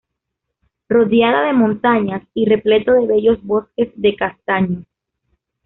Rodeada de montañas y repleto de bellos bosques de castaños.